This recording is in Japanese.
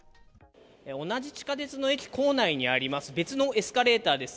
同じ地下鉄の駅構内にあります、別のエスカレーターです。